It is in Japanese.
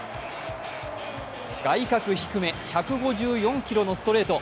外角低め１５４キロのストレート。